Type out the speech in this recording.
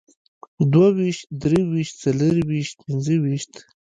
دوهويشت، دريويشت، څلرويشت، پينځهويشت